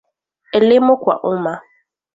Elimu kwa umma